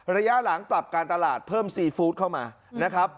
ระยะหลังปรับการตลาดเพิ่มซีฟู้ดเข้ามานะครับ